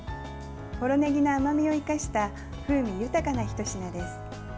ポロねぎの甘みを生かした風味豊かなひと品です。